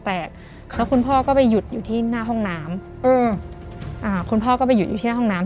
แล้วคุณพ่อก็ไปหยุดอยู่ที่หน้าห้องน้ำคุณพ่อก็ไปหยุดอยู่ที่หน้าห้องน้ำ